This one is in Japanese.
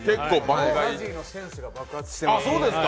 ＺＡＺＹのセンスが爆発しています。